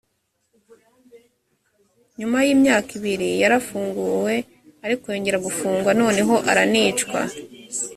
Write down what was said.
nyuma y’imyaka ibiri yarafunguwe ariko yongera gufungwa noneho aranicwa.